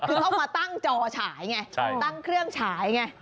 คือเขามาตั้งจอฉายไงตั้งเครื่องฉายไง